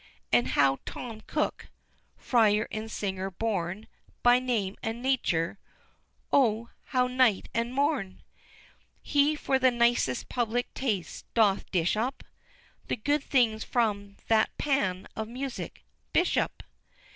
And how Tom Cook (Fryer and Singer born By name and nature) oh! how night and morn He for the nicest public taste doth dish up The good things from that Pan of music, Bishop!